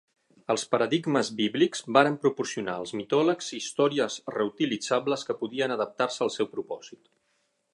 Els paradigmes bíblics varen proporcionar als mitòlegs històries reutilitzables que podien adaptar-se al seu propòsit.